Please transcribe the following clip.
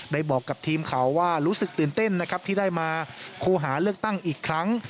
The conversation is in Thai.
บอกกับทีมข่าวว่ารู้สึกตื่นเต้นนะครับที่ได้มาคู่หาเลือกตั้งอีกครั้ง